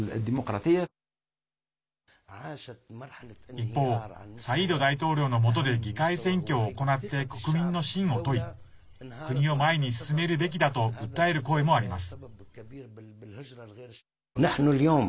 一方、サイード大統領のもとで議会選挙を行って国民の信を問い国を前に進めるべきだと訴える声もあります。